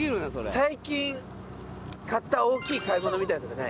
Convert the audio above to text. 最近買った大きい買い物みたいなのとかない？